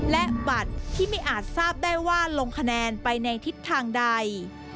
และบัตรที่ไม่อาจทราบได้ว่าลงคะแนนไปในทิศทางใด